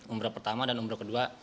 umroh pertama dan umroh kedua